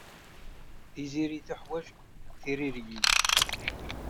Tiziri teḥwaj tiririyin.